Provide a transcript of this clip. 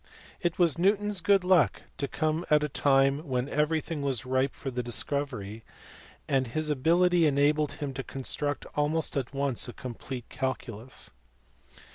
It was Newton s good luck to come at a time when everything was ripe for the discovery, and his ability _ enabled him to construct almost at once a complete calculus.